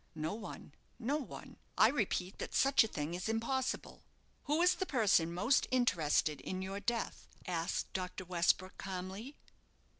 "No one no one. I repeat that such a thing is impossible." "Who is the person most interested in your death?" asked Dr. Westbrook, calmly.